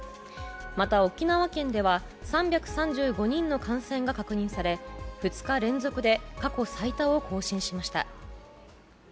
また、沖縄県では３３５人の感染が確認され２日連続で過去最多を更新しました。